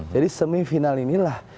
jadi semifinal inilah